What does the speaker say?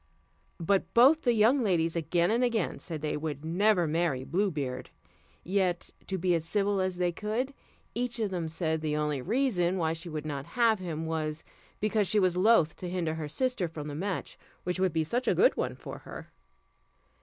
But both the young ladies again and again said they would never marry Blue Beard; yet, to be as civil as they could, each of them said, the only reason why she would not have him was, because she was loath to hinder her sister from the match, which would be such a good one for her.